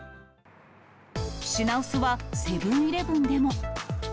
品薄はセブンーイレブンでも。